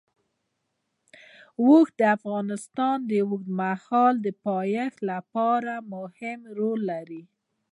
اوښ د افغانستان د اوږدمهاله پایښت لپاره مهم رول لري.